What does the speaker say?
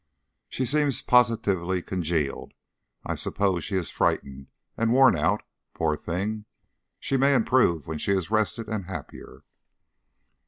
She seems positively congealed. I suppose she is frightened and worn out, poor thing! She may improve when she is rested and happier."